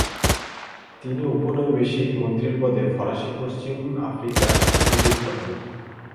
তিনি উপনিবেশিক মন্ত্রীর পদে ফরাসি পশ্চিম আফ্রিকায় নিযুক্ত হন।